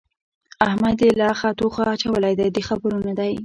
احمد يې له اخه توخه اچولی دی؛ د خبرو نه دی.